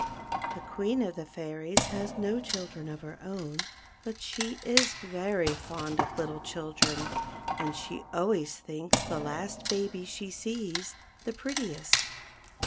The Queen of the Fairies has no children of her own. but she is very fond of little children, and she always THE PEARL FOUNTAIN. 3 thinks the last baby she sees the prettiest.